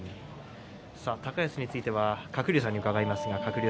高安については鶴竜さんに伺います。